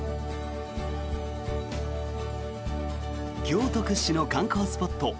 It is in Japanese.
京都屈指の観光スポット